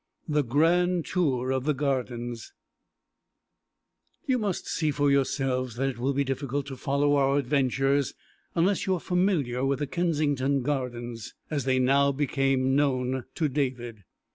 XIII. The Grand Tour of the Gardens You must see for yourselves that it will be difficult to follow our adventures unless you are familiar with the Kensington Gardens, as they now became known to David.